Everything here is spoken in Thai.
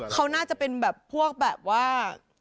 เขาน่าจะเป็นแบบพวกแบบว่า